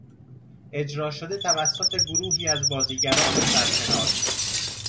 اجرا شده توسط گروهی از بازیگران سرشناس